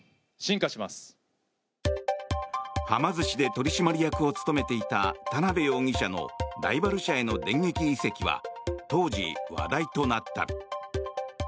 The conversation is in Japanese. はま寿司で取締役を務めていた田邊容疑者のライバル会社への電撃移籍は当時、話題となった。